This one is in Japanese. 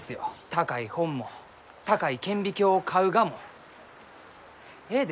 高い本も高い顕微鏡を買うがもえいです。